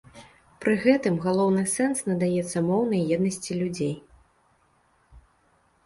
Пры гэтым галоўны сэнс надаецца моўнай еднасці людзей.